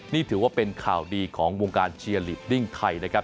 นี่ถือว่าเป็นข่าวดีของวงการเชียร์ลีดดิ้งไทยนะครับ